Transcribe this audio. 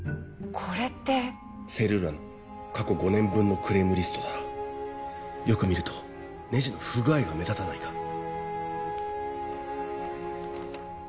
これってセルーラの過去５年分のクレームリストだよく見るとネジの不具合が目立たないか？